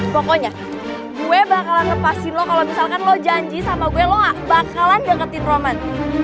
pokoknya gue bakalan lepasin lo kalau misalkan lo janji sama gue loa bakalan deketin roman